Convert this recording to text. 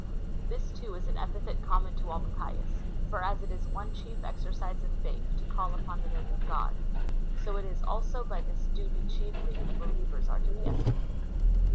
This, too, is an epithet common to all the pious ; for as it is one chief exercise of faith to call upon the name of God, so it is also by this duty chiefly that believers are to be estimated.